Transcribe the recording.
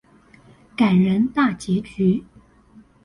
感人大結局